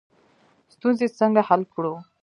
ستونزې څنګه حل کړو؟